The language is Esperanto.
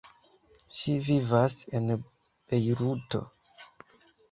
Ŝi vivas en Bejruto.